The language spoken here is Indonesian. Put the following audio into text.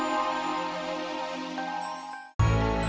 mereka udah ada